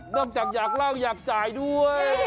จากอยากเล่าอยากจ่ายด้วย